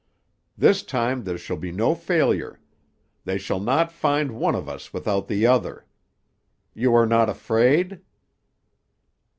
This time there shall be no failure. They shall not find one of us without the other. You are not afraid?